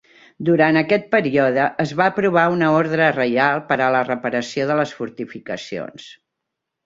Durant aquest període es va aprovar una ordre reial per a la reparació de les fortificacions.